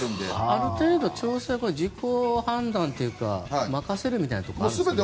ある程度調子は自己判断というか任せるみたいなところはあるんですか？